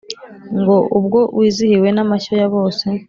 ngo ubwo wizihiwe na mashyo ya bose,